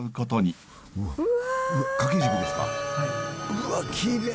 うわっきれい！